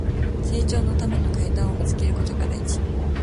成長のための階段を見つけることが大事